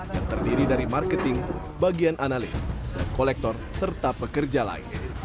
yang terdiri dari marketing bagian analis dan kolektor serta pekerja lain